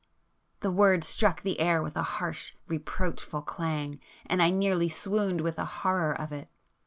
The word struck the air with a harsh reproachful clang, and I nearly swooned with the horror of it.